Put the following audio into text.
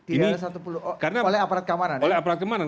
tidak ada satu peluru oleh aparat keamanan ya